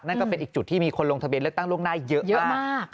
นั่นก็เป็นอีกจุดที่มีคนลงทะเบียนเลือกตั้งล่วงหน้าเยอะมาก